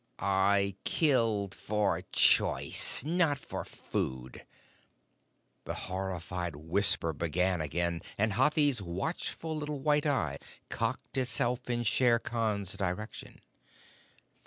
"I killed for choice not for food." The horrified whisper began again, and Hathi's watchful little white eye cocked itself in Shere Khan's direction.